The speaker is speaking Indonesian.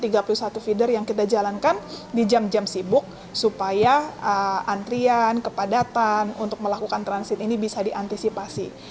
ada tiga puluh satu feeder yang kita jalankan di jam jam sibuk supaya antrian kepadatan untuk melakukan transit ini bisa diantisipasi